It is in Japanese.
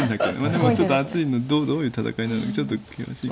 でもちょっと厚いのでどういう戦いになるのかちょっと険しい。